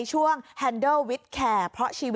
สวัสดีครับ